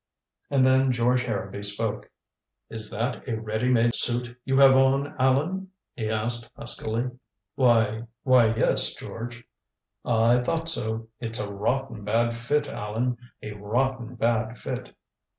And then George Harrowby spoke. "Is that a ready made suit you have on, Allan?" he asked huskily. "Why why yes, George." "I thought so. It's a rotten bad fit, Allan. A rotten bad fit."